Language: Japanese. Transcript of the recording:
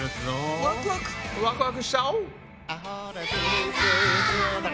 ワクワクしちゃおう！